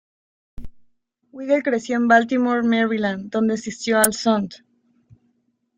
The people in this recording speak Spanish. Weigel creció en Baltimore, Maryland, donde asistió al St.